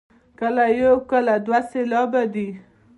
کله یو او کله دوه سېلابه دی.